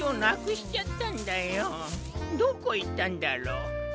どこいったんだろう？